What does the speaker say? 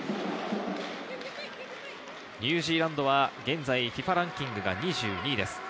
ニュージーランドは現在ＦＩＦＡランキング２２位です。